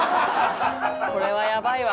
これはやばいわ。